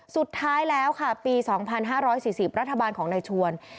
สุดท้ายแล้วค่ะปี๒๕๔๐รัฐบาลของนายชวน